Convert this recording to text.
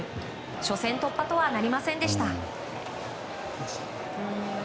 初戦突破とはなりませんでした。